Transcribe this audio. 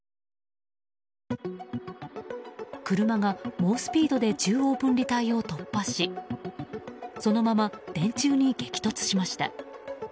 車が猛スピードで中央分離帯を突破しそのまま電柱に激突しました。